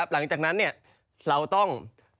หลังจากนั้นเราต้อง